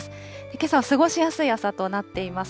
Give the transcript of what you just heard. けさは過ごしやすい朝となっています。